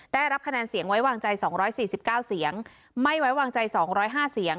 ได้รับคะแนนเสียงไว้วางใจสองร้อยสี่สิบเก้าเสียงไม่ไว้วางใจสองร้อยห้าเสียง